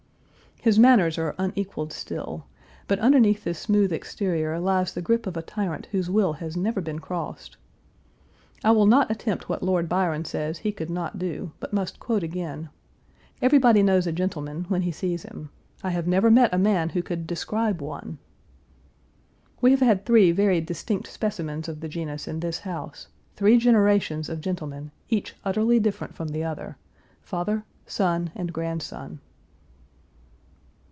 His manners are unequaled still, but underneath this smooth exterior lies the grip of a tyrant whose will has never been crossed. I will not attempt what Lord Byron says he could not do, but must quote again: "Everybody knows a gentleman when he sees him. I have never met a man who could describe one." We have had three very distinct specimens of the genus in this house three generations of gentlemen, each utterly different from the other father, son, and grandson.